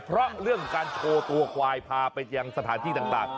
เพราะเรื่องการโชว์ตัวควายพาไปยังสถานที่ต่าง